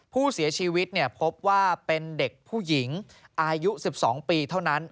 ผู้เสียชีวิตพบว่าเป็นเด็กผู้หญิงอายุ๑๒ปีเท่านั้น